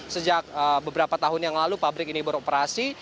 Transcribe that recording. sejak beberapa tahun yang lalu pabrik ini beroperasi